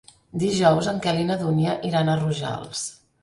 Dijous en Quel i na Dúnia iran a Rojals.